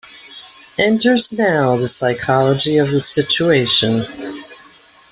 Enters now the psychology of the situation.